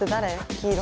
黄色。